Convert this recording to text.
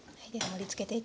はい。